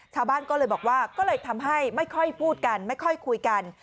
ชาวบ้านก็เลยบอกว่าก็เลยทำให้ไม่ค่อยพูดกันไม่ค่อยคุยกัน